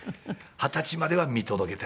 二十歳までは見届けたいですね。